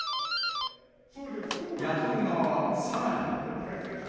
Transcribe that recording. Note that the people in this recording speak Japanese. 野党側はさらに。